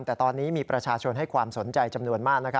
แต่ตอนนี้มีประชาชนให้ความสนใจจำนวนมาก